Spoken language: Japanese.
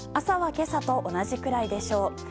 朝は今朝と同じくらいでしょう。